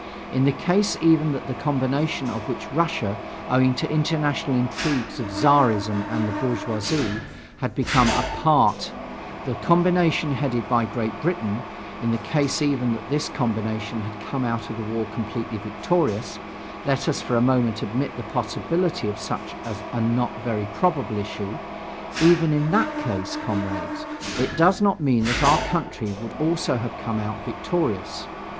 In the case even that the combination of which Russia, owing to international intrigues of Czarism and the bourgeoisie, had become a part the combination headed by Great Britain in the case even that this combination had come out of the war completely victorious let us for a moment admit the possibility of such a not very probable issue even in that case, comrades, it does not mean that our country would also have come out victorious.